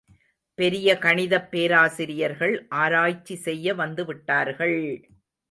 பெரிய கணிதப் பேராசிரியர்கள் ஆராய்ச்சி செய்ய வந்து விட்டார்கள்!